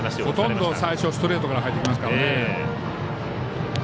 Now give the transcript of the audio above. ほとんど最初ストレートから入ってきますから。